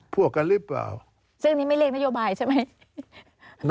สวัสดีครับทุกคน